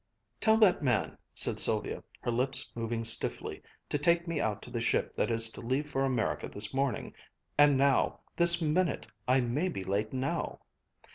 "Tell that man," said Sylvia, her lips moving stiffly, "to take me out to the ship that is to leave for America this morning and now this minute, I may be late now!"